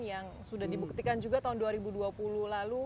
yang sudah dibuktikan juga tahun dua ribu dua puluh lalu